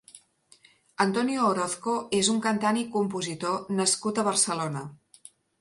Antonio Orozco és un cantant i compositor nascut a Barcelona.